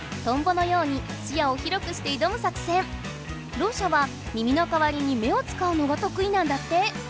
ろう者は耳のかわりに目を使うのがとくいなんだって。